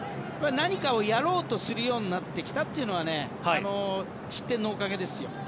何かをやろうとするようになってきたというのは失点のおかげですよ。